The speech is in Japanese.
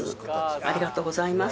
ありがとうございます。